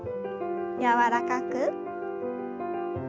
柔らかく。